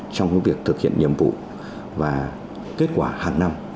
trong việc thực hiện nhiệm vụ và kết quả hàng năm